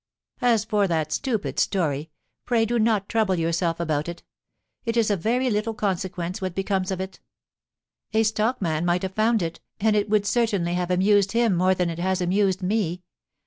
As for that stupid story, pray do not trouble your self about it ; it is of very little consequence what becomes of it. A stockman might have found it, and it would cer tainly have amused him more than it has amused me.